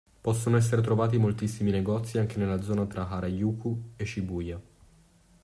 Possono essere trovati moltissimi negozi anche nella zona tra Harajuku e Shibuya.